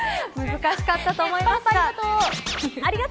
難しかったと思いますが。